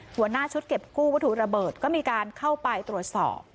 หัวหน้าชุดเก็บกู้วัตถุระเบิดก็มีการเข้าไปตรวจสอบ